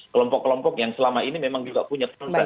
kelompok kelompok yang selama ini memang juga punya perusahaan